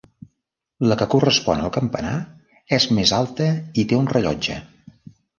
La que correspon al campanar és més alta i té un rellotge.